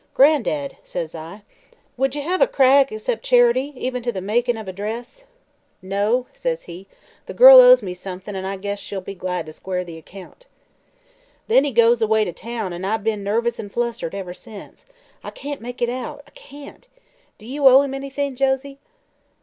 "'Gran'dad,' says I, 'would ye hev a Cragg accep' charity, even to the makin' of a dress?' "' No,' says he; 'the girl owes me somethin' an' I guess she'll be glad to square the account.' "Then he goes away to town an' I've be'n nervous an' flustered ever since. I can't make it out, I can't. Do you owe him anything, Josie?"